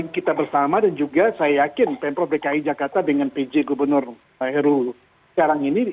kita bersama dan juga saya yakin pemprov dki jakarta dengan pj gubernur heru sekarang ini